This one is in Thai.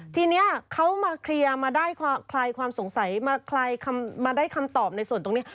ทีนี้เขามาเคลียร์มาได้คลายความสงสัยมาได้คำตอบในส่วนตรงนี้